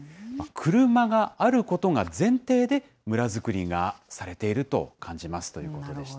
車があることが前提で村づくりがされていると感じますということでした。